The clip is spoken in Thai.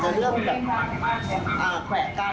เรื่องชู้สาวอาจจะเริ่มแบบแขวะกัน